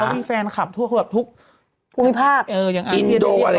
แต่เขามีแฟนคลับทั่วแบบทุกอันที่จะเรียกร้อยเข้าไป